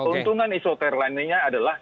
untungan isoter lainnya adalah